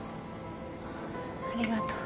ありがとう。